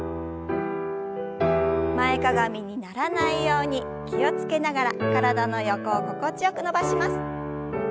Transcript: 前かがみにならないように気を付けながら体の横を心地よく伸ばします。